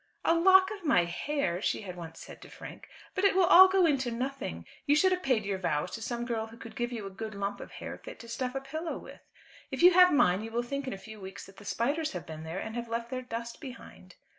"A lock of my hair!" she had once said to Frank; "but it will all go into nothing. You should have paid your vows to some girl who could give you a good lump of hair fit to stuff a pillow with. If you have mine you will think in a few weeks that the spiders have been there and have left their dust behind."